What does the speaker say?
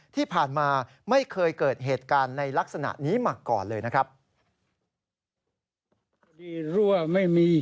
ที่ผ่านมาไม่เคยเกิดเหตุการณ์ในลักษณะนี้มาก่อนเลยนะครับ